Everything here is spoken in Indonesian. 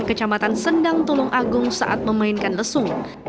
kecamatan sendang tulung agung saat memainkan lesu